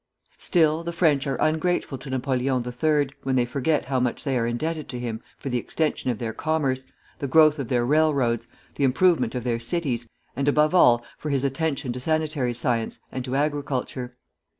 Still, the French are ungrateful to Napoleon III. when they forget how much they are indebted to him for the extension of their commerce, the growth of their railroads, the improvement of their cities, and above all for his attention to sanitary science and to agriculture.